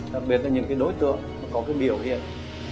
đặc biệt là những đối tượng có biểu hiện